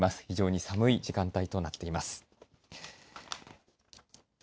非常に寒い時間帯となっています。